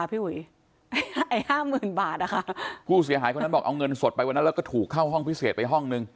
ผู้เสียหายคนมว่ามีคนเอาเงินสดไปวันนั้นและก็ถูกเข้าห้องพิเศษไปห้องนึง